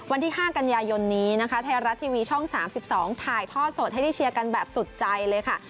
วันที่๕กันยายนนี้นะคะไทยรัฐทีวีช่อง๓๒ถ่ายท่อสดให้ได้เชียร์กันแบบสุดใจเลยค่ะ